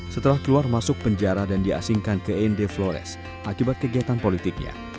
setelah keluar masuk penjara dan diasingkan ke end flores akibat kegiatan politiknya